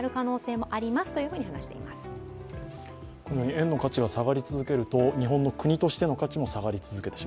円の価値が下がり続けると、日本の国としての価値も下がり続ける。